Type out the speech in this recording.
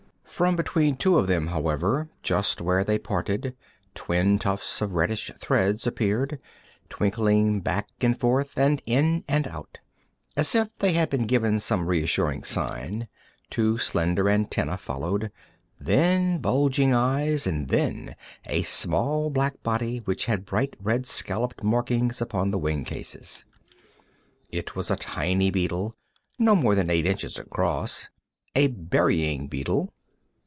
From between two of them, however, just where they parted, twin tufts of reddish threads appeared, twinkling back and forth, and in and out. As if they had given some reassuring sign, two slender antennæ followed, then bulging eyes, and then a small black body which had bright red scalloped markings upon the wing cases. It was a tiny beetle no more than eight inches long a burying beetle.